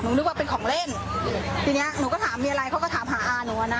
นึกว่าเป็นของเล่นทีเนี้ยหนูก็ถามมีอะไรเขาก็ถามหาอาหนูอ่ะนะ